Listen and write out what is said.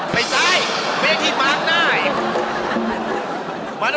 ไม่มีแบบ